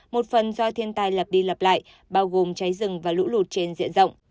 một phần do thiên tai lập đi lập lại bao gồm cháy rừng và lũ lụt trên diện rộng